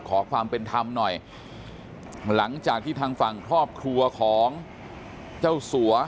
ขอความเป็นธรรมหน่อยหลังจากที่ทางฝั่งครอบครัวของเจ้าสัว